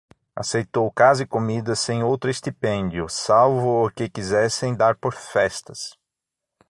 aceitou casa e comida sem outro estipêndio, salvo o que quisessem dar por festas.